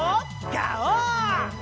ガオー！